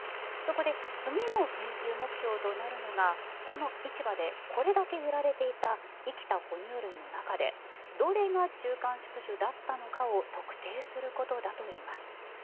そこで次の研究目標となるのがこの市場でこれだけ売られていた生きた哺乳類の中でどれが中間宿主だったのかを特定することだといいます。